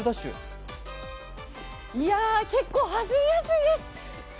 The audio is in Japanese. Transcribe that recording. いや、結構走りやすいです。